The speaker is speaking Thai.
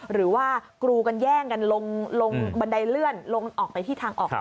หรือว่ากรูกันแย่งกันลงบันไดเลื่อนลงออกไปที่ทางออก